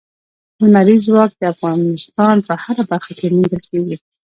لمریز ځواک د افغانستان په هره برخه کې موندل کېږي.